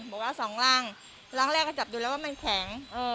บอกว่าเอา๒รังรังแรกเขาจับดูแล้วว่ามันแข็ง